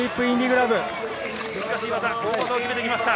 難しい技、大技を決めてきました。